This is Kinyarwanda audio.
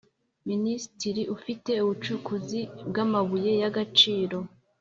Minisitiri ufite ubucukuzi bw amabuye y agaciro